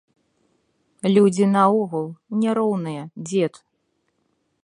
Людзі наогул не роўныя, дзед.